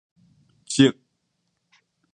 賊